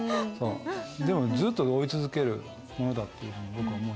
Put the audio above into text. でもずっと追い続けるものだっていうふうに僕は思うし。